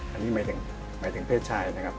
อันนี้หมายถึงเพศชายนะครับ